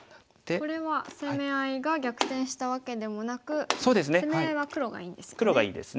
これは攻め合いが逆転したわけでもなく攻め合いは黒がいいんですね。